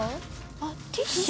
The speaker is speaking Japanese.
あっティッシュ？